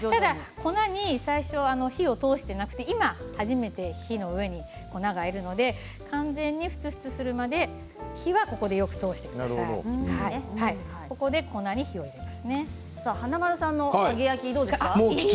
粉に最初に火を通していなくて今、初めて火の上に粉がいるので完全にふつふつするまで華丸さんの揚げ焼きはどうですか？